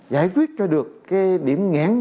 giải quyết cho được cái điểm ngán